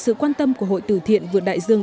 sự quan tâm của hội tử thiện vượt đại dương